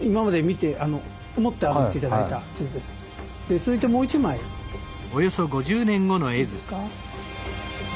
続いてもう一枚いいですか。